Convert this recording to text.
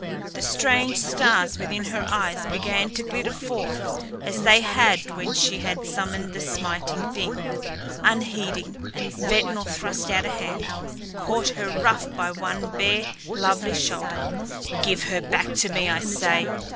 The strange stars within her eyes began to glitter forth as they had when she had summoned the Smiting Thing. Unheeding, Ventnor thrust out a hand, caught her roughly by one bare, lovely shoulder. "Give her back to me, I say!"